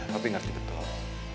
papi ngerti betul